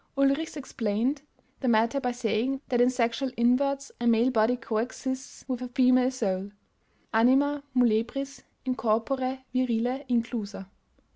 Ulrichs explained the matter by saying that in sexual inverts a male body coexists with a female soul: anima muliebris in corpore virile inclusa.